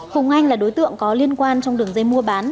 hùng anh là đối tượng có liên quan trong đường dây mua bán